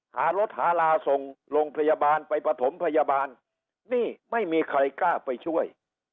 หารถหาลาส่งโรงพยาบาลไปปฐมพยาบาลนี่ไม่มีใครกล้าไปช่วย